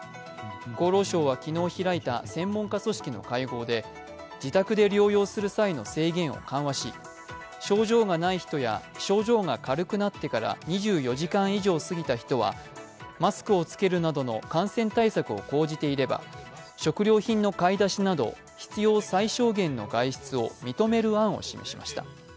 厚労省は昨日開いた専門家組織の会合で自宅で療養する際の制限を緩和し症状がない人や症状が軽くなってから２４時間以上過ぎた人はマスクを着けるなどの感染対策を講じていれば食料品の買い出しなど必要最小限の外出を認める案を示しました。